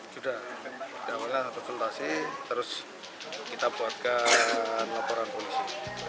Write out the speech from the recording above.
sudah awalnya harus tentasi terus kita buatkan laporan polisi